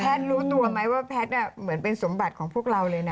รู้ตัวไหมว่าแพทย์เหมือนเป็นสมบัติของพวกเราเลยนะ